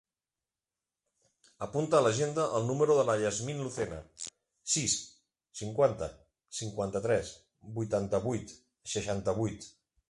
Apunta a l'agenda el número de la Yasmine Lucena: sis, cinquanta, cinquanta-tres, vuitanta-vuit, seixanta-vuit.